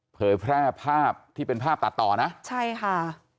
เผยแพร่ภาพที่เป็นภาพตัดต่อนะใช่ค่ะ